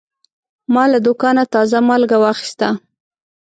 ما له دوکانه تازه مالګه واخیسته.